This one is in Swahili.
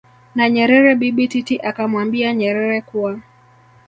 na Nyerere Bibi Titi akamwambia Nyerere kuwa